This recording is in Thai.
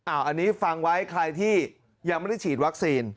อันนี้ฟังไว้ใครที่ยังไม่ได้ฉีดวัคซีน